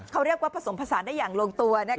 เขาเรียกว่าผสมผสานได้อย่างลงตัว